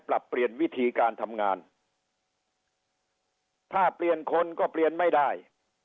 ปรับเปลี่ยนวิธีการทำงานถ้าเปลี่ยนคนก็เปลี่ยนไม่ได้